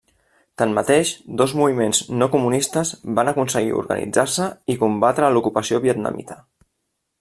Tanmateix, dos moviments no-comunistes van aconseguir organitzar-se i combatre a l'ocupació vietnamita.